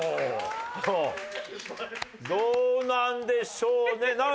どうなんでしょうね。